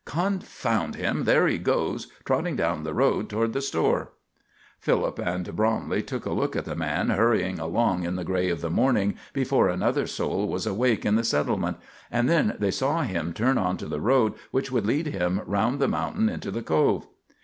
Confound him! there he goes trotting down the road toward the store." Philip and Bromley took a look at the man, hurrying along in the gray of the morning before another soul was awake in the settlement, and then they saw him turn on to the road which would lead him around the mountain into the Cove.